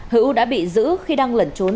hữu đã bị giữ khi đang lẩn trốn